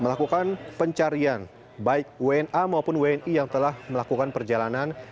melakukan pencarian baik wna maupun wni yang telah melakukan perjalanan